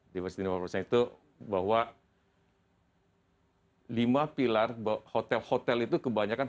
diversity in one perfection itu bahwa lima pilar hotel hotel itu kebanyakan